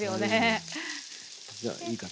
じゃいいかな。